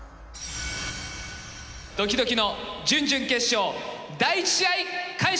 ドキドキの準々決勝第１試合開始です！